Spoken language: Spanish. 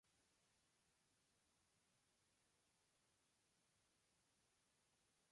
Esta división administrativa ha estado en vigor desde entonces.